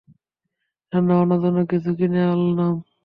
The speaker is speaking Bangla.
রান্নাবান্নার জন্য কিছু কিনে আনলাম!